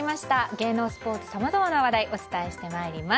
芸能、スポーツさまざま話題をお伝えしてまいります。